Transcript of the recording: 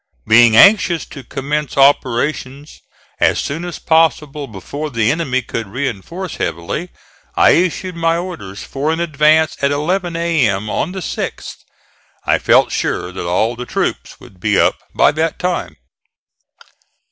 Being anxious to commence operations as soon as possible before the enemy could reinforce heavily, I issued my orders for an advance at 11 A.M. on the 6th. I felt sure that all the troops would be up by that time.